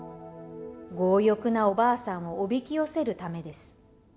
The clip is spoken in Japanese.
強欲なおばあさんをおびき寄せるためです。